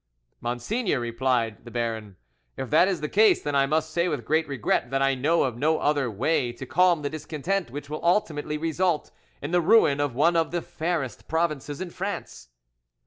"Monseigneur," replied the baron, "if that is the case, then I must say with great regret that I know of no other way to calm the discontent which will ultimately result in the ruin of one of the fairest provinces in France."